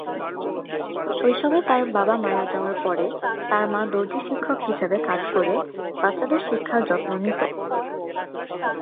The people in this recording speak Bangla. শৈশবে তার বাবা মারা যাওয়ার পরে তার মা দর্জি শিক্ষক হিসাবে কাজ করে বাচ্চাদের শিক্ষার যত্ন নিত।